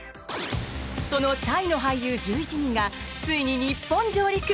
そのタイの俳優１１人がついに日本上陸。